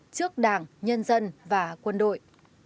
trước đảng nhân dân và quân đội